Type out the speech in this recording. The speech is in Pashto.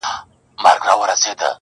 عجیبه ده لېونی آمر مي وایي.